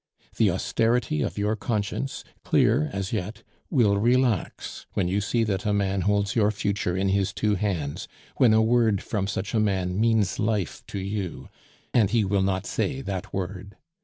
The austerity of your conscience, clear as yet, will relax when you see that a man holds your future in his two hands, when a word from such a man means life to you, and he will not say that word.